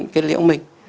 kết liễu mình